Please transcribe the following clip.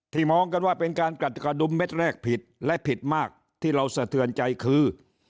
มองกันว่าเป็นการกระดุมเม็ดแรกผิดและผิดมากที่เราสะเทือนใจคือ